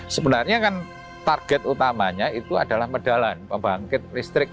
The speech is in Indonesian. sebenarnya kan target utamanya itu adalah medalan pembangkit listrik